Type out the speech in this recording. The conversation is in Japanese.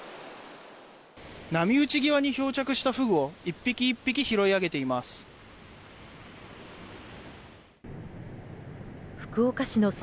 波打ち際に漂着したフグを１匹１匹拾い上げています。